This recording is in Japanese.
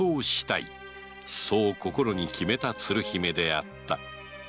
そう心に決めた鶴姫であった